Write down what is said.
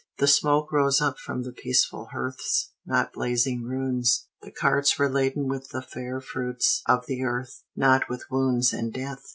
The smoke rose up from peaceful hearths, not blazing ruins. The carts were laden with the fair fruits of the earth, not with wounds and death.